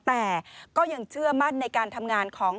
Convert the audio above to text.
แต่ก็ยังเชื่อมั่นในการทำงานของ